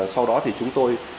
sau đó thì chúng tôi